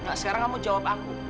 gak sekarang kamu jawab aku